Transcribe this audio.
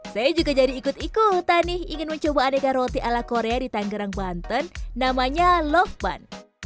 saya juga jadi ikut ikutan nih ingin mencoba aneka roti ala korea di tanggerang banten namanya love bun